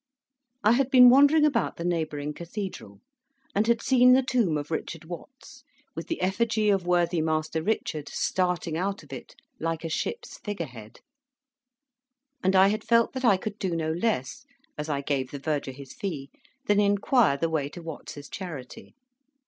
I had been wandering about the neighbouring Cathedral, and had seen the tomb of Richard Watts, with the effigy of worthy Master Richard starting out of it like a ship's figure head; and I had felt that I could do no less, as I gave the Verger his fee, than inquire the way to Watts's Charity.